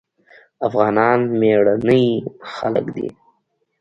افغانان مېړني خلک دي.